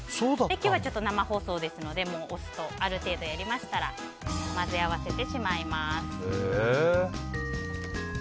今日はちょっと生放送ですのである程度やりましたら、お酢と混ぜ合わせてしまいます。